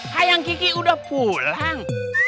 hai yang kiki udah pulang